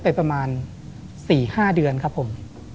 ประมาณ๔๕เดือนครับผม